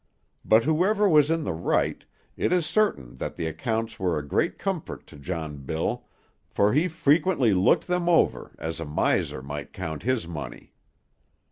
But whoever was in the right, it is certain that the accounts were a great comfort to John Bill, for he frequently looked them over as a miser might count his money.